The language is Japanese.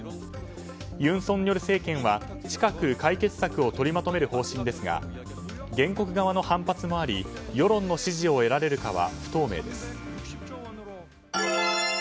尹錫悦政権は近く解決策を取りまとめる方針ですが原告側の反発もあり世論の支持を得られるかは不透明です。